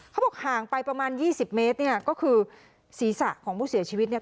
เขาบอกห่างไปประมาณยี่สิบเมตรเนี่ยก็คือศีรษะของผู้เสียชีวิตเนี่ย